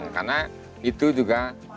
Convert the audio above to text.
karena itu juga